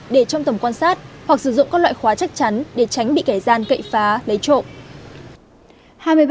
để trong tầm quan sát hoặc sử dụng các loại khóa chắc chắn để tránh bị kẻ gian cậy phá lấy trộm